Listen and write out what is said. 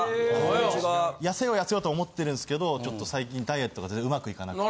痩せよう痩せようと思ってるんすけどちょっと最近ダイエットが全然うまくいかなくて。